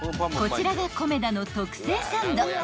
［こちらがコメダの特製サンド］